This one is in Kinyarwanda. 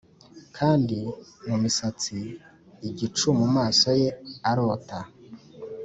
kandi mumisatsi igicu mumaso ye arota